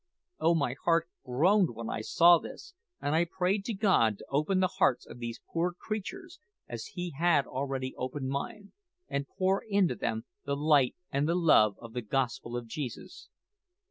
Oh, my heart groaned when I saw this! and I prayed to God to open the hearts of these poor creatures, as He had already opened mine, and pour into them the light and the love of the Gospel of Jesus.